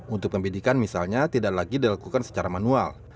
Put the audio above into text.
untuk pendidikan misalnya tidak lagi dilakukan secara manual